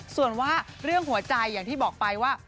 ส่วนว่าเรื่องหัวใจอย่างที่บอกไปว่า